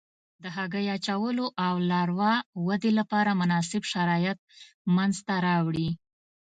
د هګۍ اچولو او لاروا ودې لپاره مناسب شرایط منځته راوړي.